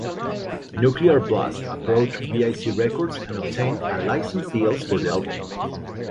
Nuclear Blast approached Vic Records and obtained a license deal for the album.